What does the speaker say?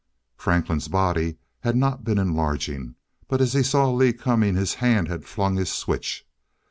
Franklin's body had not been enlarging, but as he saw Lee coming, his hand had flung his switch.